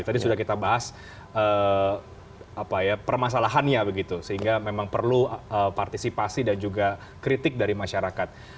tadi sudah kita bahas permasalahannya begitu sehingga memang perlu partisipasi dan juga kritik dari masyarakat